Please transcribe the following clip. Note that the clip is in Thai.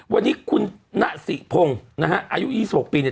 วันนี้คุณน่าสิภงนะฮะอายุ๒๖ปีเนี้ย